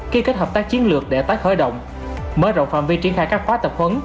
ký kết hợp tác chiến lược để tái khởi động mở rộng phạm vi triển khai các khóa tập huấn